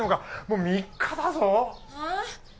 もう３日だぞはあ？